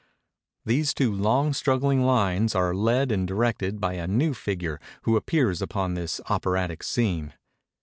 These two long struggling lines are led and directed by a new figure who appears upon this operatic scene.